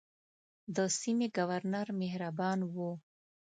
د سیمې ګورنر مهربان وو.